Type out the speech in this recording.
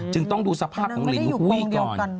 จึงต้องดูสภาพของลินหุ้ยก่อน